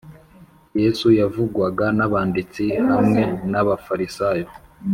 yesu yavugwaga n’abanditsi hamwe n’abafarisayo